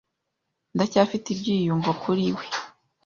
Ndacyafite ibyiyumvo kuri we.